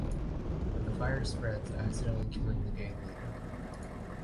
But the fire spreads, accidentally killing the gang leader.